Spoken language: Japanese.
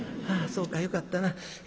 ああそうかよかったな。